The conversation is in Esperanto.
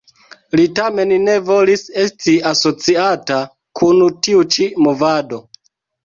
Li tamen ne volis esti asociata kun tiu ĉi movado.